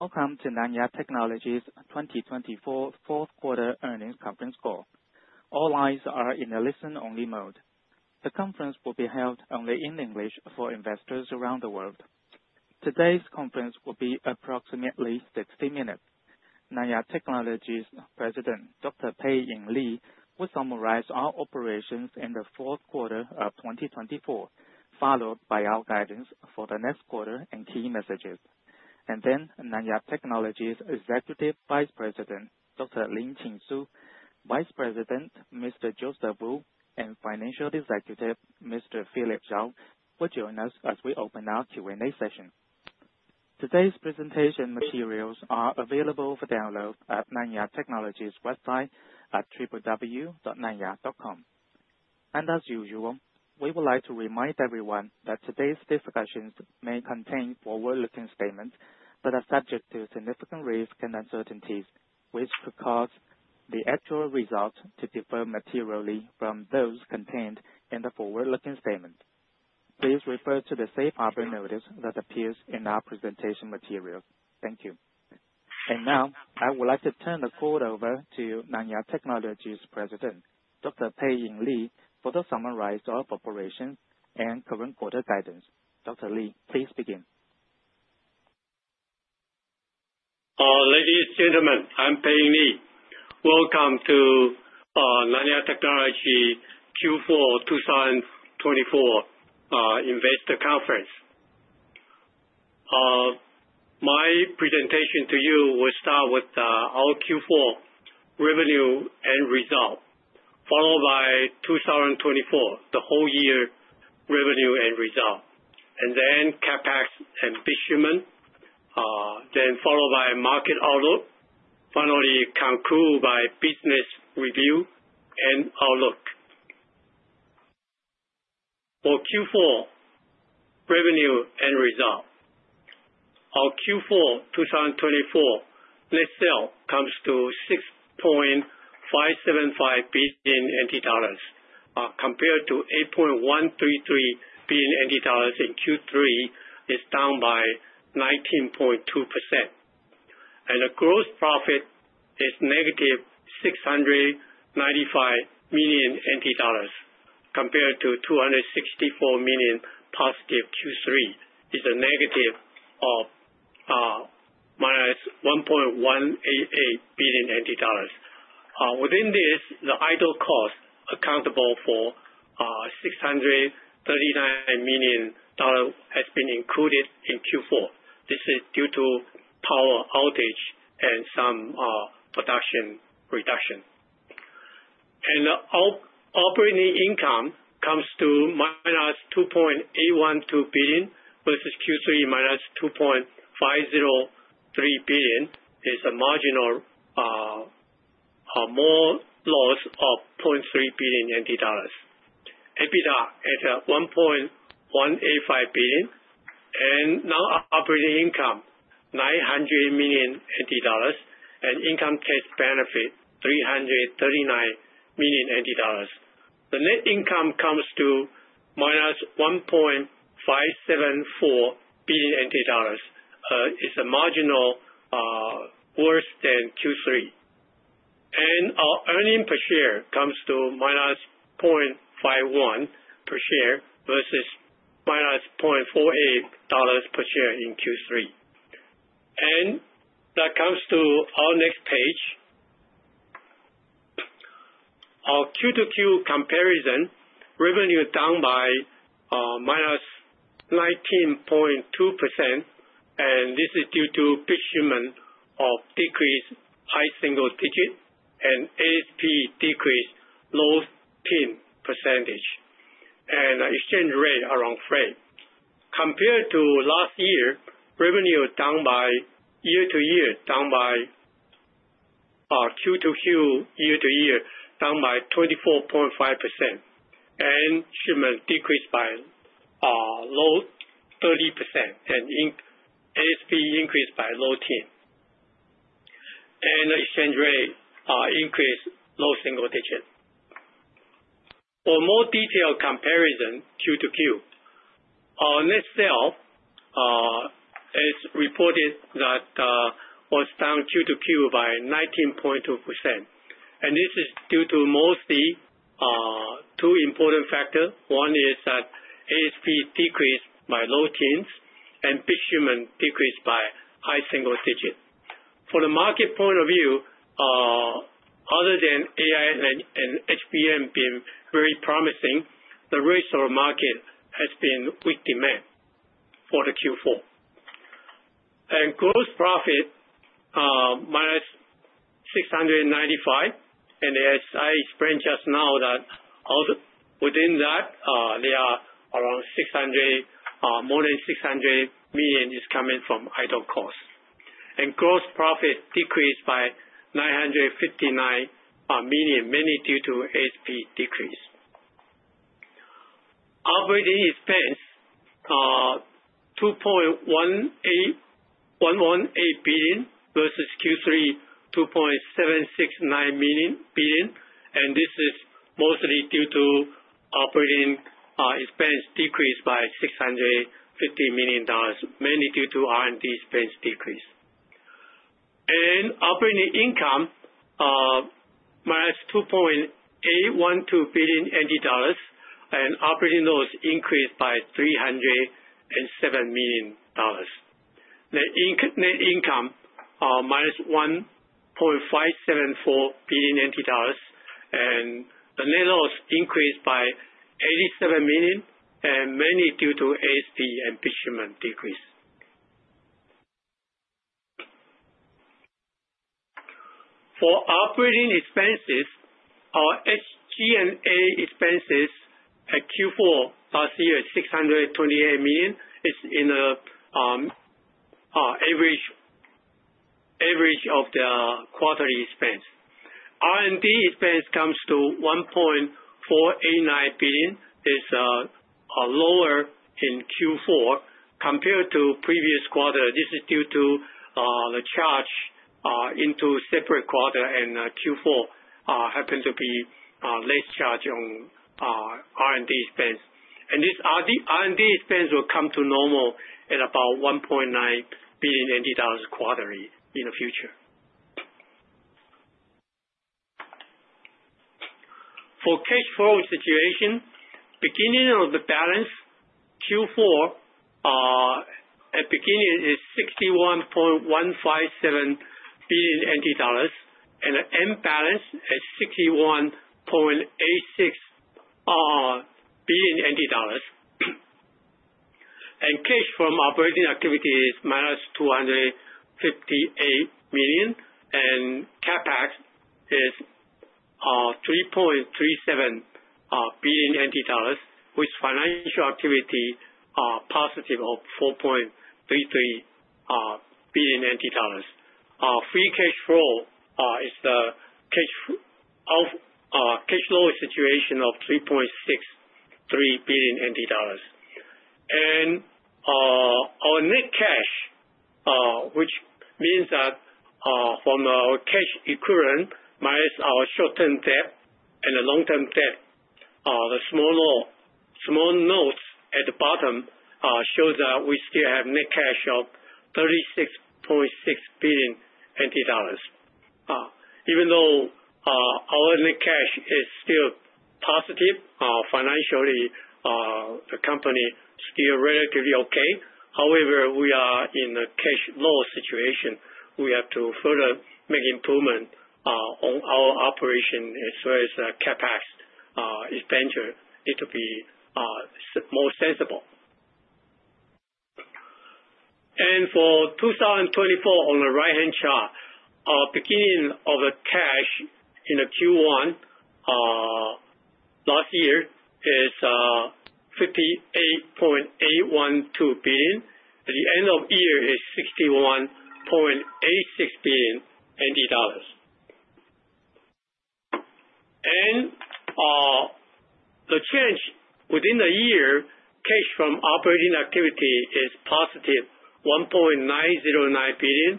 Welcome to Nanya Technology's 2024 Q4 Earnings Conference Call. All lines are in the listen-only mode. The conference will be held only in English for investors around the world. Today's conference will be approximately 60 minutes. Nanya Technology's President, Dr. Pei-Ing Lee, will summarize our operations in the fourth quarter of 2024, followed by our guidance for the next quarter and key messages. And then, Nanya Technology's Executive Vice President, Dr. Lin-Chin Su, Vice President, Mr. Joseph Wu, and Financial Executive, Mr. Philip Chao, will join us as we open our Q&A session. Today's presentation materials are available for download at Nanya Technology's website at www.nanya.com. And as usual, we would like to remind everyone that today's discussions may contain forward-looking statements that are subject to significant risks and uncertainties, which could cause the actual results to differ materially from those contained in the forward-looking statement. Please refer to the Safe Harbor Notice that appears in our presentation materials. Thank you. And now, I would like to turn the call over to Nanya Technology's President, Dr. Pei-Ing Lee, for the summary of operations and current quarter guidance. Dr. Lee, please begin. Ladies and gentlemen, I'm Pei-Ing Lee. Welcome to Nanya Technology Q4 2024 Investor Conference. My presentation to you will start with our Q4 revenue and result, followed by 2024, the whole year revenue and result, and then CapEx and business achievement, then followed by market outlook. Finally, conclude by business review and outlook. For Q4 revenue and result, our Q4 2024 net sale comes to 6.575 billion NT dollars, compared to 8.133 billion NT dollars in Q3, which is down by 19.2%. The gross profit is negative 695 million NT dollars, compared to 264 million positive Q3. It's a negative of minus 1.188 billion NT dollars. Within this, the idle cost accountable for 639 million dollars has been included in Q4. This is due to power outage and some production reduction. The operating income comes to minus 2.812 billion versus Q3 minus 2.503 billion. It's a marginally more loss of 0.3 billion NT dollars. EBITDA at 1.185 billion. Non-operating income 900 million NT dollars and income tax benefit 339 million NT dollars. The net income comes to minus 1.574 billion NT dollars. It's marginally worse than Q3. Our earnings per share comes to minus 0.51 per share versus minus 0.48 dollars per share in Q3. That comes to our next page. Our QoQ comparison revenue down by -19.2%. This is due to shipment decrease high single digit and ASP decrease low 10%. Exchange rate around flat. Compared to last year, revenue down by year-to-year, down by Q2 QoQ, down by 24.5%. Shipment decreased by low 30% and ASP increased by low 10%. Exchange rate increase low single digit. For more detailed comparison, QoQ, our net sales were down QoQ by 19.2%. And this is due to mostly two important factors. One is that ASP decreased by low 10s% and bit shipment decreased by high single digits%. From a market point of view, other than AI and HBM being very promising, the rest of the market has been weak demand for the Q4. And gross profit minus NT$695 million. And as I explained just now that within that, there are around NT$600 million, more than NT$600 million is coming from idle costs. And gross profit decreased by NT$959 million, mainly due to ASP decrease. Operating expense NT$2.118 billion versus Q3 NT$2.769 billion. And this is mostly due to operating expense decreased by NT$650 million, mainly due to R&D expense decrease. Operating income minus 2.812 billion NT dollars and operating loss increased by 307 million dollars. Net income minus 1.574 billion NT dollars and the net loss increased by 87 million and mainly due to ASP and bit shipment decrease. For operating expenses, our SG&A expenses at Q4 last year is 628 million. It's in the average of the quarterly expense. R&D expense comes to 1.489 billion. It's lower in Q4 compared to previous quarter. This is due to the charge into separate quarter and Q4 happened to be less charge on R&D expense. R&D expense will come to normal at about 1.9 billion NT dollars quarterly in the future. For cash flow situation, beginning of the balance Q4 at beginning is 61.157 billion NT dollars and the end balance is 61.86 billion NT dollars. Cash from operating activity is minus 258 million and CapEx is 3.37 billion NT dollars, which financial activity positive of 4.33 billion NT dollars. Free cash flow is the cash flow situation of TWD 3.63 billion. Our net cash, which means that from our cash equivalent minus our short-term debt and the long-term debt, the small notes at the bottom show that we still have net cash of 36.6 billion NT dollars. Even though our net cash is still positive, financially the company is still relatively okay. However, we are in a cash loss situation. We have to further make improvement on our operation as well as CapEx expenditure need to be more sensible. For 2024, on the right-hand chart, our beginning of the cash in Q1 last year is 58.812 billion. The end of year is 61.86 billion NT dollars. The change within the year, cash from operating activity is positive 1.909 billion.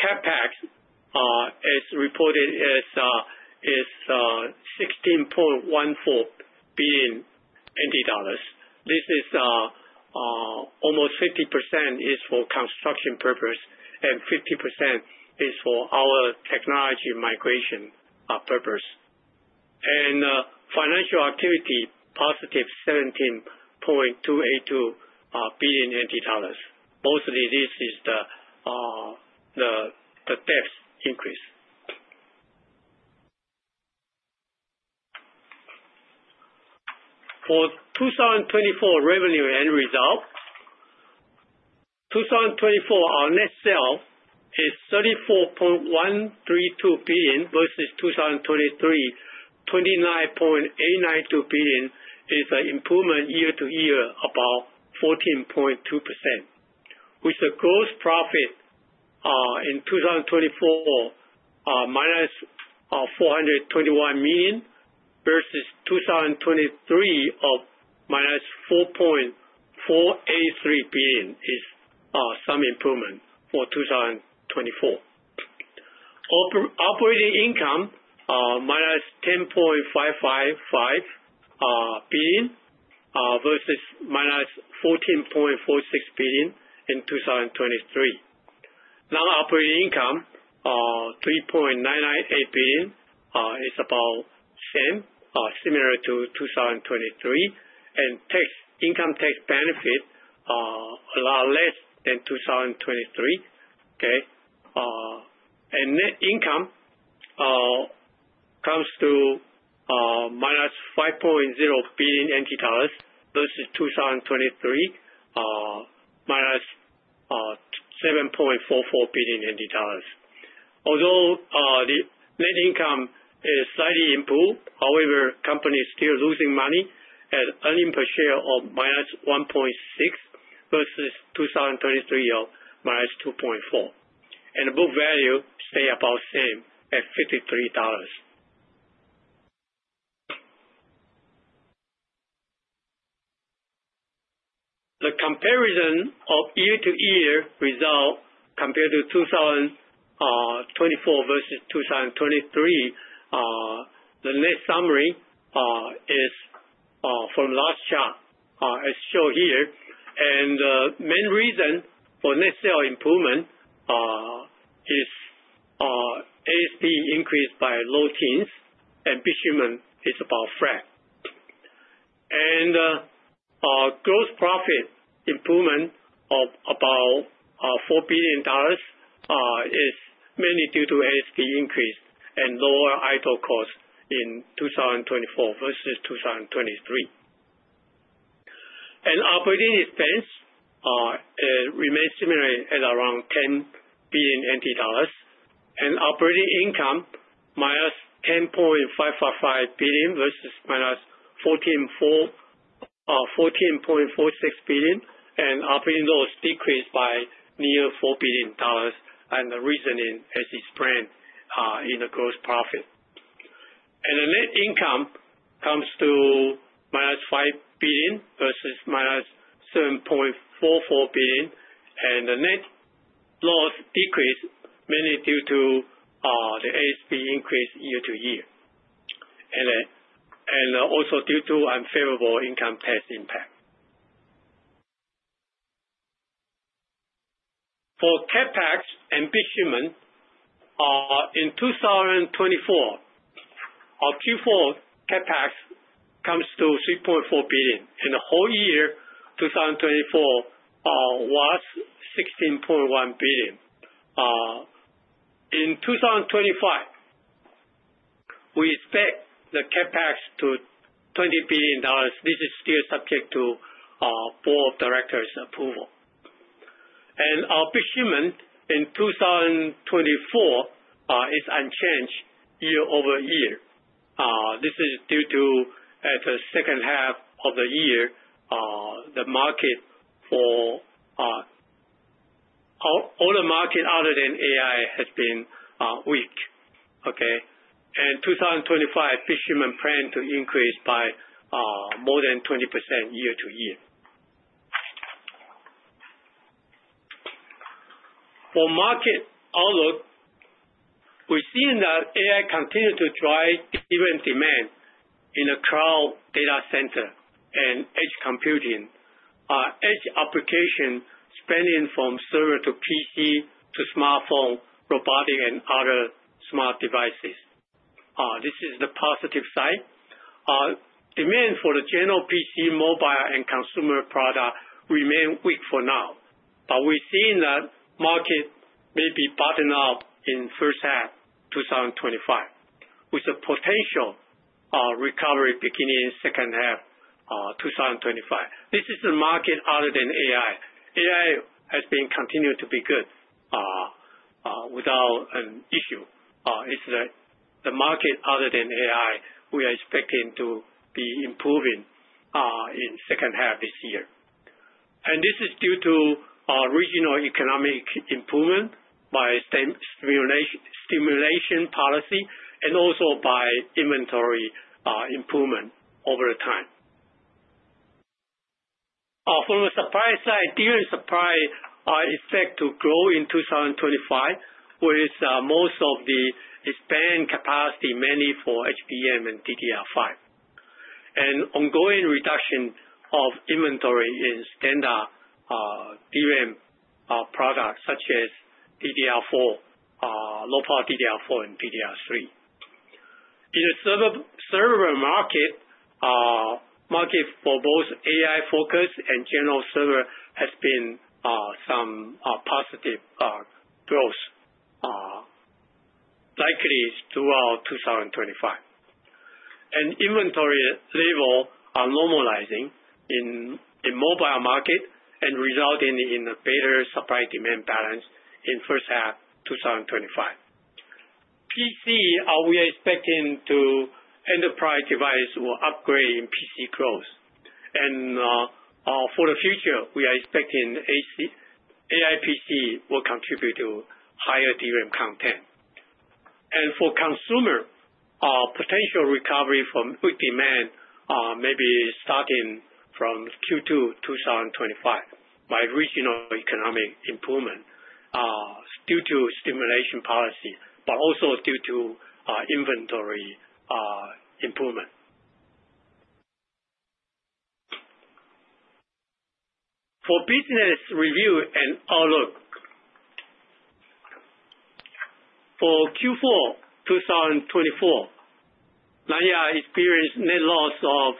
CapEx is reported as TWD 16.14 billion. This is almost 50% is for construction purpose and 50% is for our technology migration purpose. Financial activity positive 17.282 billion NT dollars. Mostly this is the debt increase. For 2024 revenue and result, 2024 our net sale is 34.132 billion versus 2023, 29.892 billion. It's an improvement year to year about 14.2%. With the gross profit in 2024 minus 421 million versus 2023 of minus 4.483 billion, it's some improvement for 2024. Operating income minus 10.555 billion versus minus 14.46 billion in 2023. Non-operating income 3.998 billion is about same similar to 2023. Income tax benefit a lot less than 2023. Net income comes to minus 5.0 billion NT dollars versus 2023, minus 7.44 billion NT dollars. Although the net income is slightly improved, however, the company is still losing money at earnings per share of -1.6 versus 2023 of -2.4. And book value stay about same at 53 dollars. The comparison of year to year result compared to 2024 versus 2023, the net summary is from last chart as shown here. And the main reason for net sales improvement is ASP increased by low 10s and bit shipment is about flat. And gross profit improvement of about 4 billion dollars is mainly due to ASP increase and lower idle costs in 2024 versus 2023. And operating expense remains similar at around 10 billion NT dollars. And operating income -10.555 billion versus -14.46 billion. And operating loss decreased by near 4 billion dollars. And the reasoning as explained in the gross profit. And the net income comes to -5 billion versus -7.44 billion. And the net loss decreased mainly due to the ASP increase year to year. And also due to unfavorable income tax impact. For CapEx and bit shipment, in 2024, our Q4 CapEx comes to 3.4 billion. And the whole year 2024 was 16.1 billion. In 2025, we expect the CapEx to 20 billion dollars. This is still subject to board of directors approval. And our bit shipment in 2024 is unchanged year over year. This is due to at the second half of the year, the market for all the market other than AI has been weak. And 2025, bit shipment plan to increase by more than 20% year to year. For market outlook, we're seeing that AI continues to drive even demand in the cloud data center and edge computing. Edge application spanning from server to PC to smartphone, robotic, and other smart devices. This is the positive side. Demand for the general PC, mobile, and consumer product remain weak for now. But we're seeing that market may be bottomed out in first half 2025, with a potential recovery beginning in second half 2025. This is the market other than AI. AI has been continuing to be good without an issue. It's the market other than AI we are expecting to be improving in second half this year. And this is due to regional economic improvement by stimulation policy and also by inventory improvement over time. From a supply side, demand supply is set to grow in 2025 with most of the expanded capacity mainly for HBM and DDR5. And ongoing reduction of inventory in standard DRAM products such as DDR4, low-power DDR4, and DDR3. In the server market, market for both AI focus and general server has been some positive growth, likely throughout 2025. And inventory level are normalizing in mobile market and resulting in a better supply-demand balance in first half 2025. PC, we are expecting to enterprise device will upgrade in PC growth. And for the future, we are expecting AI PC will contribute to higher DRAM content. And for consumer, potential recovery from weak demand may be starting from Q2 2025 by regional economic improvement due to stimulation policy, but also due to inventory improvement. For business review and outlook, for Q4 2024, Nanya experienced net loss of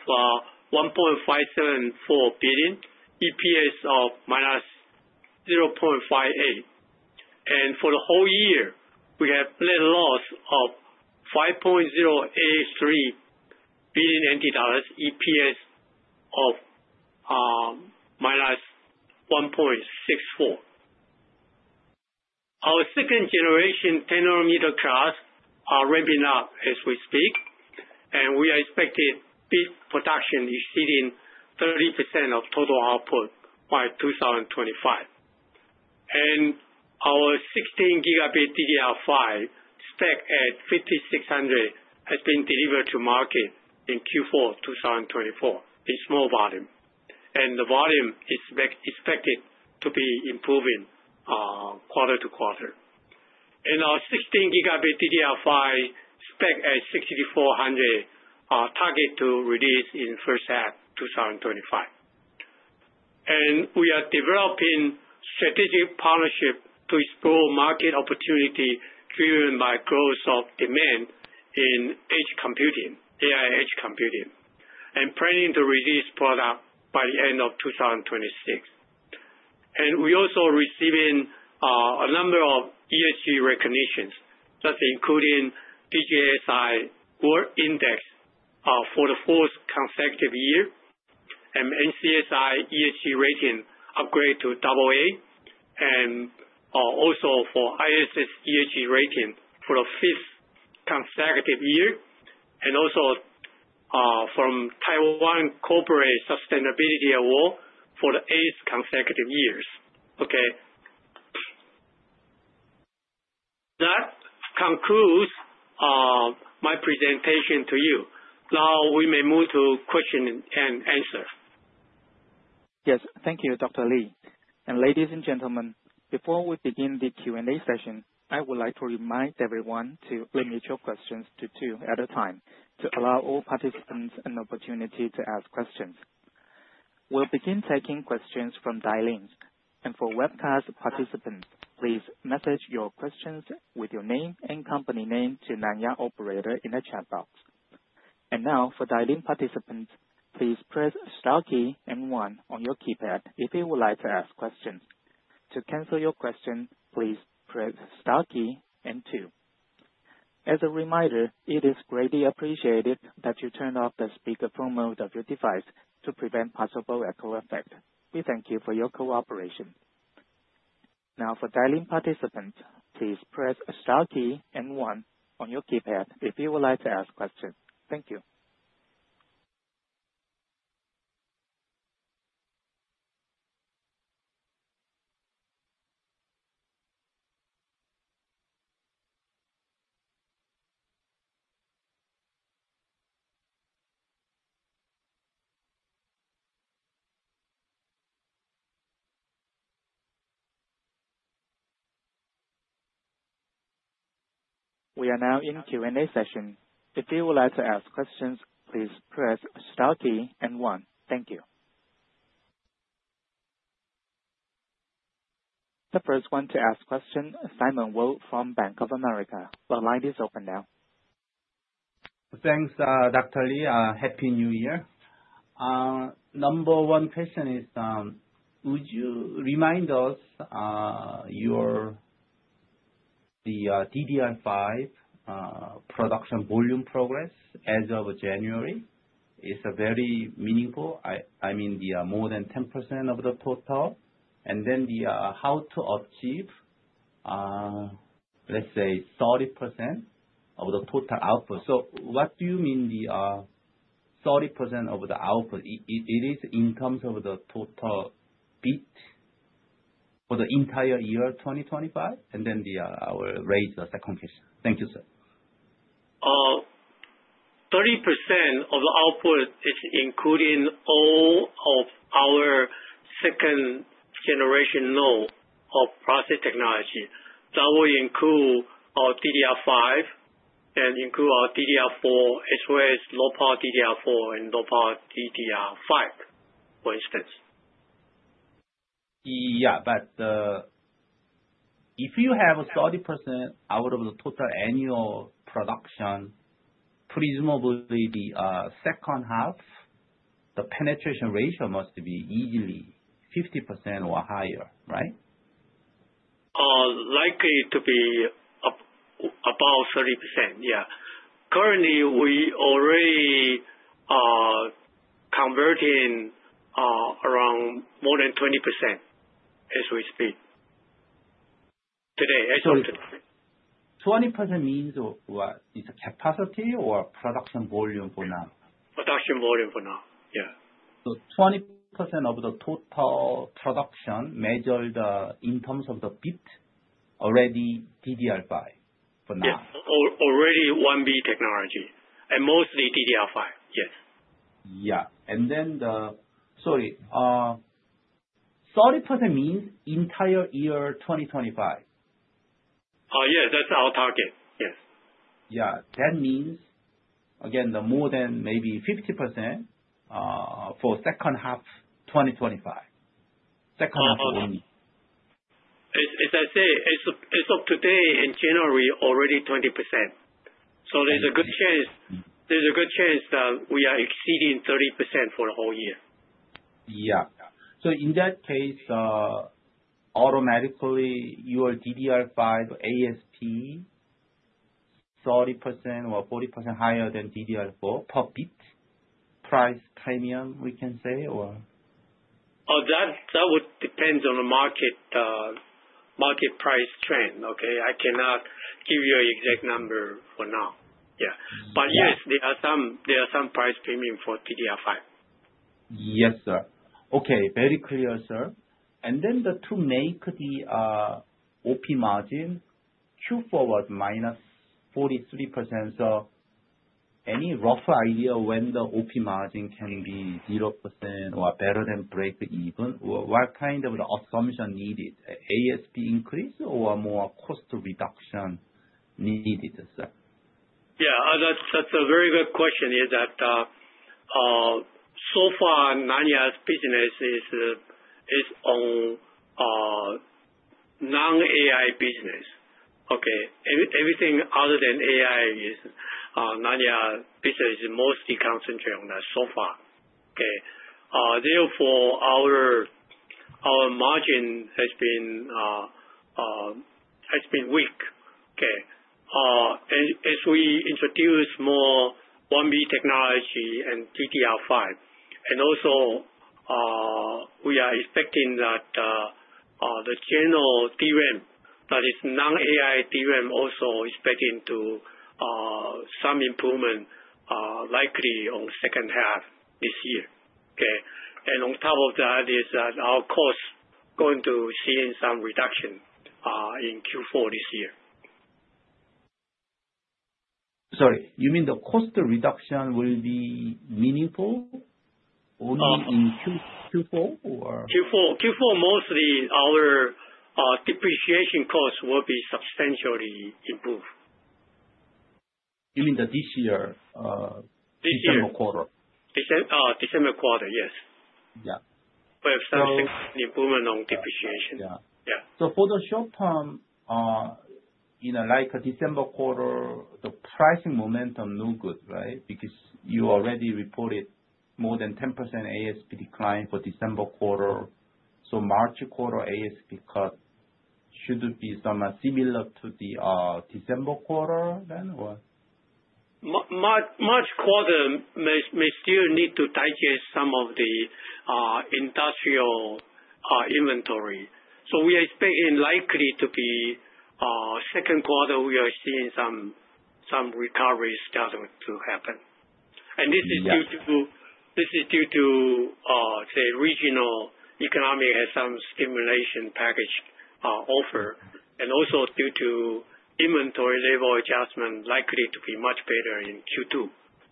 1.574 billion, EPS of minus 0.58. And for the whole year, we have net loss of 5.083 billion NT dollars, EPS of minus 1.64. Our second-generation 10-nanometer class are ramping up as we speak. We are expecting peak production exceeding 30% of total output by 2025. Our 16-gigabit DDR5 stack at 5600 has been delivered to market in Q4 2024 in small volume. The volume is expected to be improving quarter to quarter. Our 16-gigabit DDR5 stack at 6400 target to release in first half 2025. We are developing strategic partnership to explore market opportunity driven by growth of demand in AI edge computing and planning to release product by the end of 2026. We also are receiving a number of ESG recognitions, including DJSI World Index for the fourth consecutive year and MSCI ESG rating upgrade to AA. Also for ISS ESG rating for the fifth consecutive year. Also from Taiwan Corporate Sustainability Award for the eighth consecutive years. That concludes my presentation to you. Now we may move to question and answer. Yes. Thank you, Dr. Lee. And ladies and gentlemen, before we begin the Q&A session, I would like to remind everyone to limit your questions to two at a time to allow all participants an opportunity to ask questions. We'll begin taking questions from dial-ins. And for webcast participants, please message your questions with your name and company name to Nanya Operator in the chat box. And now for dial-in participants, please press star key and one on your keypad if you would like to ask questions. To cancel your question, please press star key and two. As a reminder, it is greatly appreciated that you turn off the speaker phone mode of your device to prevent possible echo effect. We thank you for your cooperation. Now for dial-in participants, please press star key and one on your keypad if you would like to ask questions. Thank you. We are now in Q&A session. If you would like to ask questions, please press star key and one. Thank you. The first one to ask question, Simon Woo from Bank of America. The line is open now. Thanks, Dr. Lee. Happy New Year. Number one question is, would you remind us of your DDR5 production volume progress as of January? It's very meaningful. I mean, more than 10% of the total. And then how to achieve, let's say, 30% of the total output? So what do you mean 30% of the output? It is in terms of the total bit for the entire year 2025? And then I will raise a second question. Thank you, sir. 30% of the output is including all of our second-generation node of process technology. That will include our DDR5 and include our DDR4, as well as low-power DDR4 and low-power DDR5, for instance. But if you have 30% out of the total annual production, presumably the second half, the penetration ratio must be easily 50% or higher, right? Likely to be about 30%. Currently, we are already converting around more than 20% as we speak today, as of today. 20% means what? It's a capacity or production volume for now? Production volume for now. So 20% of the total production measured in terms of the bit already DDR5 for now? Yes. Already 1B technology and mostly DDR5, yes. And then the—sorry. 30% means entire year 2025? Yes. That's our target, yes. That means, again, more than maybe 50% for second half 2025. Second half only. As I say, as of today in January, already 20%. So there's a good chance that we are exceeding 30% for the whole year. So in that case, automatically, your DDR5 ASP, 30% or 40% higher than DDR4 per bit price premium, we can say, or? That would depend on the market price trend. I cannot give you an exact number for now. But yes, there are some price premium for DDR5. Yes, sir. Okay. Very clear, sir. And then to make the OP margin, Q4 was -43%. So any rough idea when the OP margin can be 0% or better than break even? What kind of assumption needed? ASP increase or more cost reduction needed, sir? That's a very good question is that so far, Nanya's business is on non-AI business. Everything other than AI, Nanya business is mostly concentrated on that so far. Therefore, our margin has been weak. As we introduce more 1B technology and DDR5, and also we are expecting that the general DRAM, that is non-AI DRAM, also is expecting some improvement likely on second half this year, and on top of that is that our cost is going to see some reduction in Q4 this year. Sorry. You mean the cost reduction will be meaningful only in Q4 or? Q4. Q4, mostly our depreciation cost will be substantially improved. You mean that this year? This year. December quarter? December quarter, yes. We have some significant improvement on depreciation. So for the short term, in December quarter, the pricing momentum looked good, right? Because you already reported more than 10% ASP decline for December quarter, so March quarter ASP cut should be somewhat similar to the December quarter then, or? March quarter may still need to digest some of the industrial inventory. So we are expecting likely to be Q2, we are seeing some recovery starting to happen. And this is due to the regional economy and some stimulus package offered. And also due to inventory level adjustment likely to be much better in Q2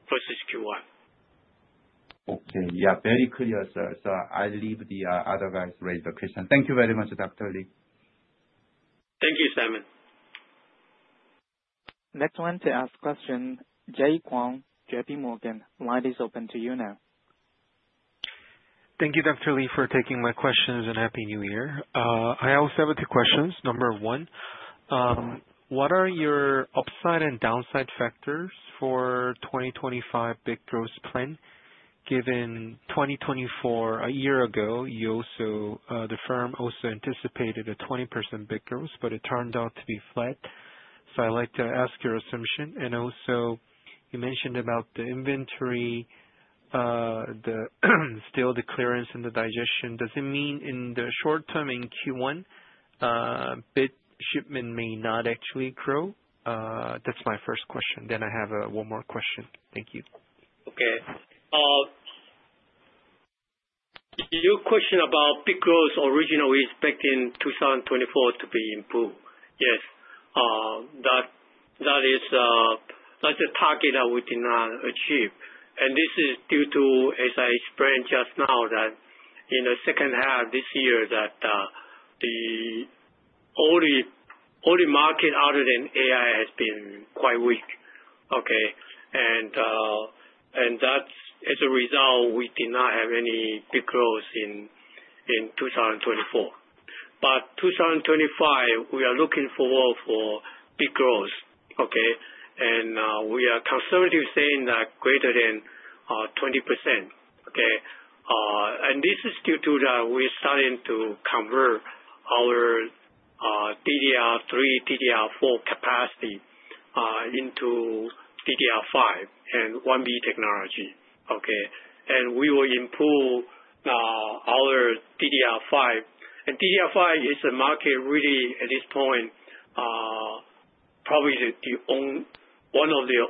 versus Q1. Okay. Very clear, sir. So I'll leave the other guys raise the question. Thank you very much, Dr. Lee. Thank you, Simon. Next one to ask question, Jay Kwong, J.P. Morgan. Line is open to you now. Thank you, Dr. Lee, for taking my questions and Happy New Year. I also have two questions. Number one, what are your upside and downside factors for 2025 bit growth plan given 2024 a year ago, the firm also anticipated a 20% bit growth, but it turned out to be flat. So I'd like to ask your assumption. You also mentioned about the inventory, still the clearance and the digestion. Does it mean in the short term in Q1, bit shipment may not actually grow? That's my first question. Then I have one more question. Thank you. Okay. Your question about bit growth originally we're expecting 2024 to be improved. Yes. That's a target that we did not achieve. And this is due to, as I explained just now, that in the second half this year, the non-AI market has been quite weak. And as a result, we did not have any bit growth in 2024. But 2025, we are looking forward for bit growth. And we are conservatively saying that greater than 20%. And this is due to that we're starting to convert our DDR3, DDR4 capacity into DDR5 and 1B technology. And we will improve our DDR5. DDR5 is a market really at this point probably one of the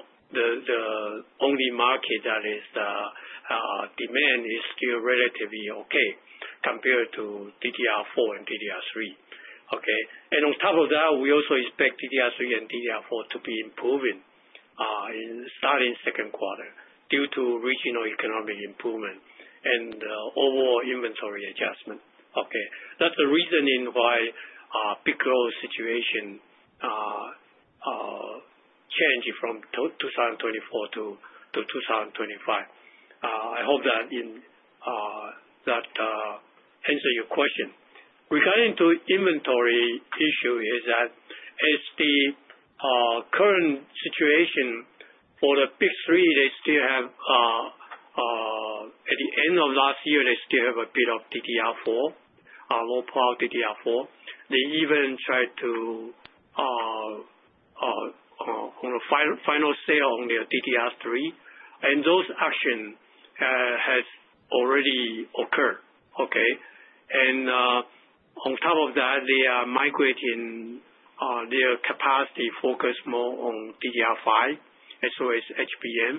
only markets that is demand is still relatively okay compared to DDR4 and DDR3. And on top of that, we also expect DDR3 and DDR4 to be improving starting Q2 due to regional economic improvement and overall inventory adjustment. That's the reasoning why bit growth situation changed from 2024 to 2025. I hope that answered your question. Regarding to inventory issue is that as the current situation for the big three, they still have at the end of last year, they still have a bit of DDR4, low-power DDR4. They even tried to fire sale on their DDR3. And those actions have already occurred. And on top of that, they are migrating their capacity focus more on DDR5 as well as HBM.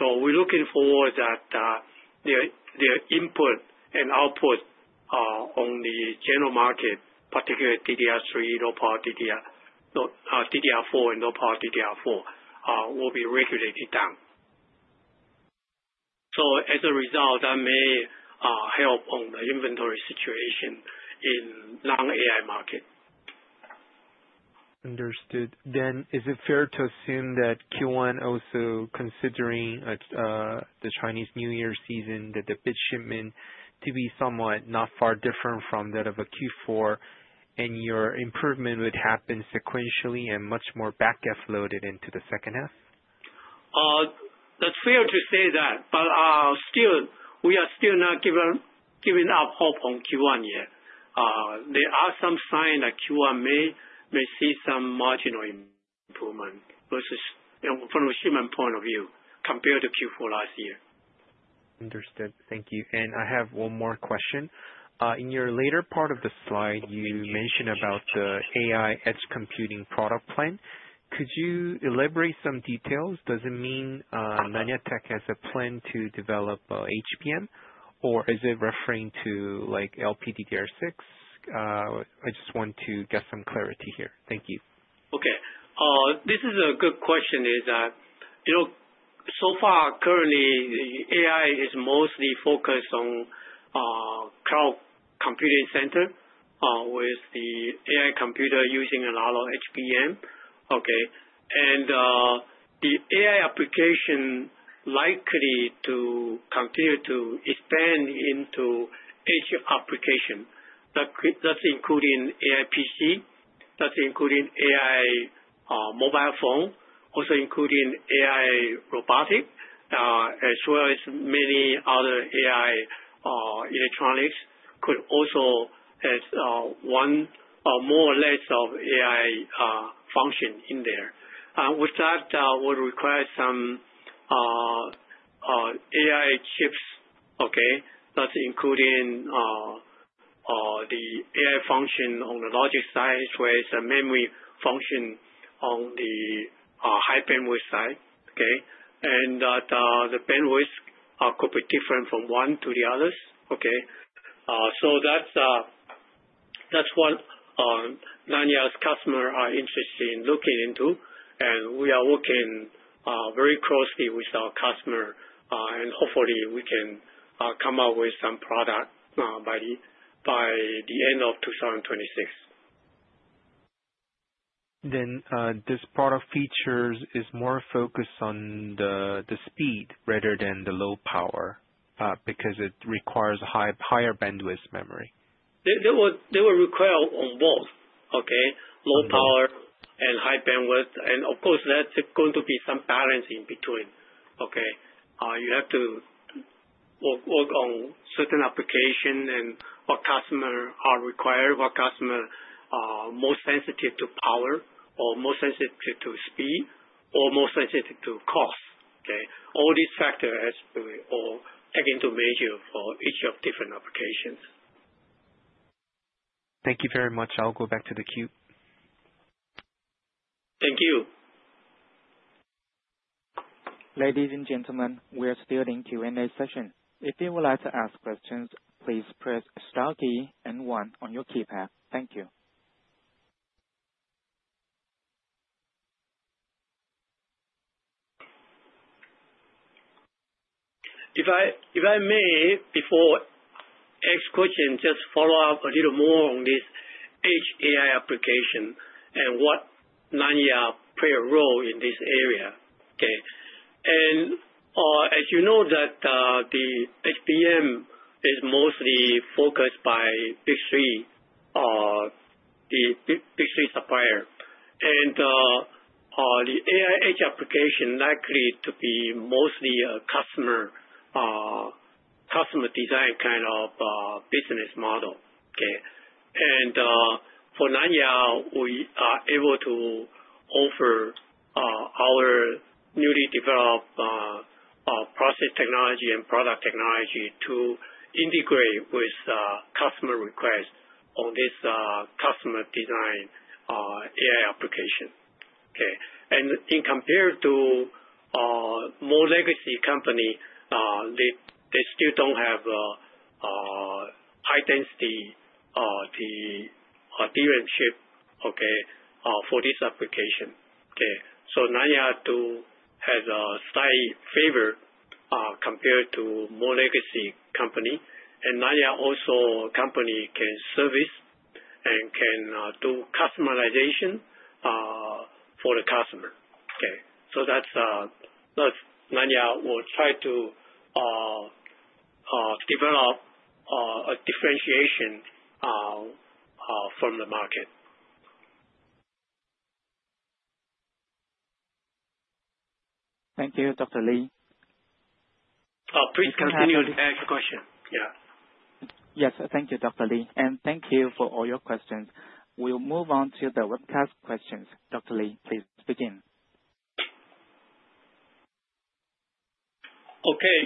So we're looking forward that their input and output on the general market, particularly DDR3, low-power DDR4, and low-power DDR4 will be regulated down. So as a result, that may help on the inventory situation in non-AI market. Understood. Then is it fair to assume that Q1 also considering the Chinese New Year season, that the bit shipment to be somewhat not far different from that of a Q4, and your improvement would happen sequentially and much more back-loaded into the second half? That's fair to say that. But we are still not giving up hope on Q1 yet. There are some signs that Q1 may see some marginal improvement from a shipment point of view compared to Q4 last year. Understood. Thank you. And I have one more question. In your later part of the slide, you mentioned about the AI edge computing product plan. Could you elaborate some details? Does it mean Nanya Technology has a plan to develop HBM, or is it referring to LPDDR6? I just want to get some clarity here. Thank you. Okay. This is a good question is that so far, currently, AI is mostly focused on cloud computing center with the AI computer using a lot of HBM. And the AI application likely to continue to expand into edge application. That's including AI PC, that's including AI mobile phone, also including AI robotic, as well as many other AI electronics could also have more or less of AI function in there. With that, it would require some AI chips, that's including the AI function on the logic side as well as the memory function on the high bandwidth side. And the bandwidth could be different from one to the others. So that's what Nanya's customers are interested in looking into. And we are working very closely with our customer. And hopefully, we can come up with some product by the end of 2026. Then this product features is more focused on the speed rather than the low power because it requires higher bandwidth memory. They will require on both, low power and high bandwidth. And of course, there's going to be some balance in between. You have to work on certain applications and what customers are required, what customers are more sensitive to power or more sensitive to speed or more sensitive to cost. All these factors are taken into measure for each of different applications. Thank you very much. I'll go back to the queue. Thank you. Ladies and gentlemen, we are still in Q&A session. If you would like to ask questions, please press star key and one on your keypad. Thank you. If I may, before the next question, just follow up a little more on this edge AI application and what Nanya plays a role in this area. As you know, the HBM is mostly focused by big three, the big three suppliers. The AI edge application is likely to be mostly a customer design kind of business model. For Nanya, we are able to offer our newly developed process technology and product technology to integrate with customer requests on this customer design AI application. In comparison to more legacy companies, they still don't have high-density DRAM chip for this application. Nanya does have a slight favor compared to more legacy companies. Nanya also a company can service and can do customization for the customer. Nanya will try to develop a differentiation from the market. Thank you, Dr. Lee. Please continue. Thank you. To ask a question. Yes. Thank you, Dr. Lee. And thank you for all your questions. We'll move on to the webcast questions. Dr. Lee, please begin. Okay.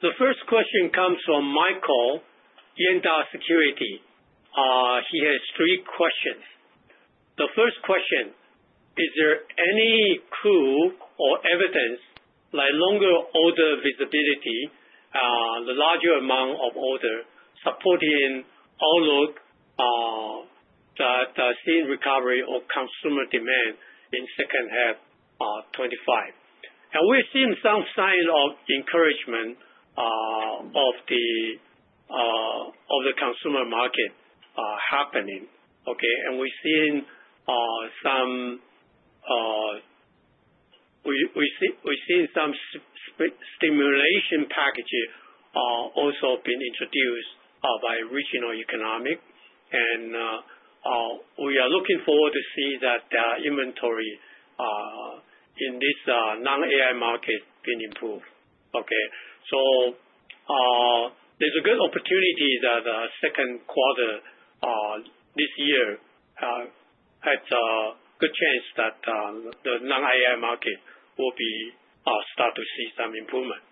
The first question comes from Michael, Yuanta Securities. He has three questions. The first question is, is there any clue or evidence, like longer order visibility, the larger amount of order supporting outlook that seen recovery of consumer demand in second half 2025? And we've seen some sign of encouragement of the consumer market happening. And we've seen some stimulation packages also being introduced by regional economies. And we are looking forward to see that inventory in this non-AI market being improved. So there's a good opportunity that Q2 this year has a good chance that the non-AI market will start to see some improvement.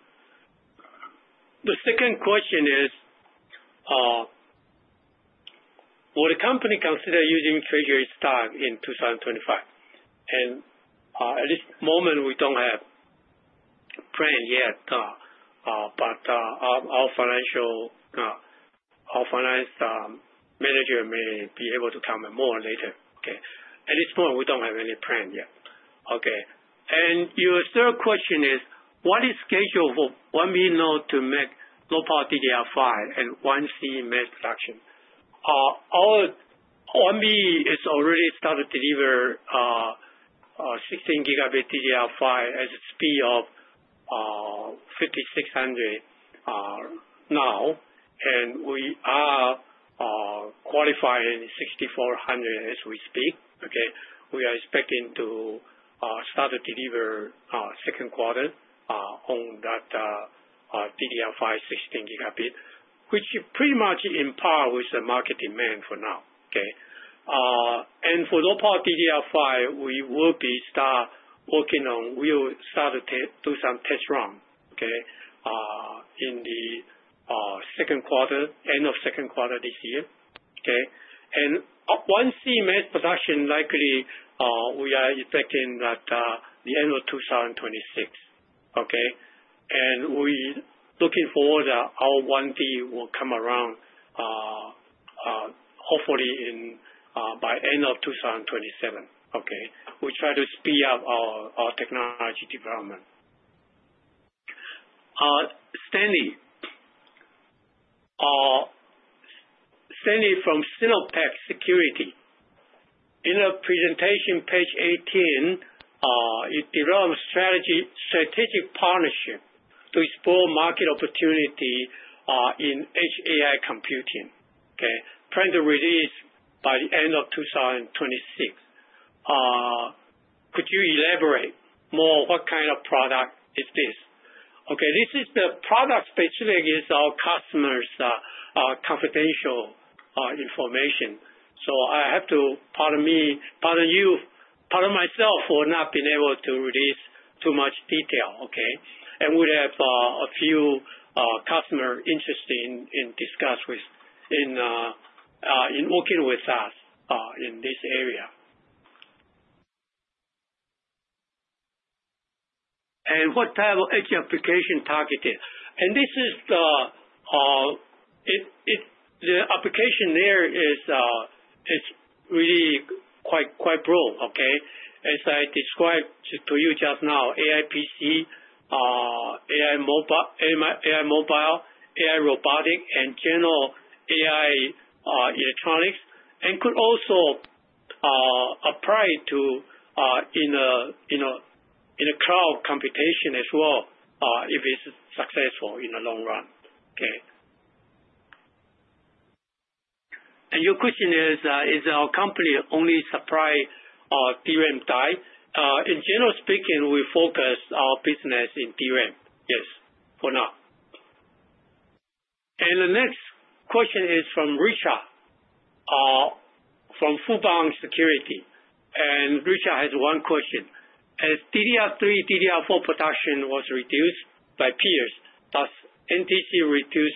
The second question is, will the company consider using Treasury stock in 2025? And at this moment, we don't have a plan yet. But our finance manager may be able to comment more later. At this point, we don't have any plan yet. And your third question is, what is schedule for 1B node to make low-power DDR5 and 1C mass production? 1B has already started delivering 16 gigabit DDR5 at a speed of 5600 now. And we are qualifying 6400 as we speak. We are expecting to start to deliver Q2 on that DDR5 16 gigabit, which pretty much on par with the market demand for now. For low-power DDR5, we will start to do some test run in the Q2, end of Q2 this year. 1C mass production likely we are expecting that the end of 2026. We're looking forward that our 1D will come around hopefully by end of 2027. We try to speed up our technology development. Stanley. Stanley from SinoPac Securities. In a presentation page 18, it developed strategic partnership to explore market opportunity in edge AI computing. Product release by the end of 2026. Could you elaborate more what kind of product is this? This is the product specific is our customers' confidential information. So I have to pardon myself for not being able to release too much detail. We have a few customers interested in working with us in this area. What type of edge application targeted? This is the application. There is really quite broad. As I described to you just now, AI PC, AI mobile, AI robotic, and general AI electronics. It could also apply to cloud computation as well if it's successful in the long run. Your question is, is our company only supply DRAM die? In general speaking, we focus our business in DRAM. Yes, for now. The next question is from Richard from Fubon Securities. Richard has one question. As DDR3, DDR4 production was reduced by peers, does NTC reduce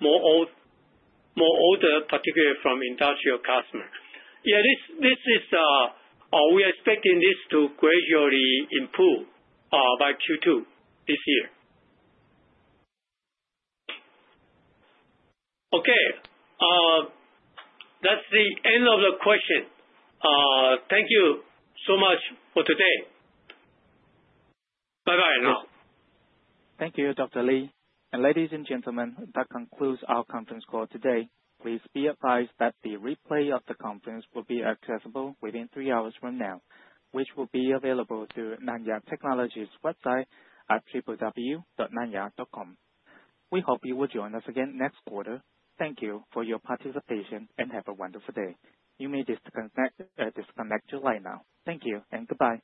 more order, particularly from industrial customers? We are expecting this to gradually improve by Q2 this year. Okay. That's the end of the question. Thank you so much for today. Bye-bye now. Thank you, Dr. Lee. Ladies and gentlemen, that concludes our conference call today. Please be advised that the replay of the conference will be accessible within three hours from now, which will be available through Nanya Technology's website at www.nanya.com. We hope you will join us again next quarter. Thank you for your participation and have a wonderful day. You may disconnect your line now. Thank you and goodbye.